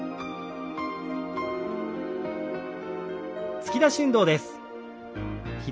突き出し運動です。